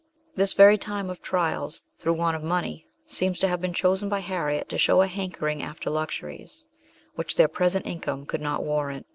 This very time of trials, through want of money, seems to have been chosen by Harriet to show a hankering after luxuries which their present income could not warrant.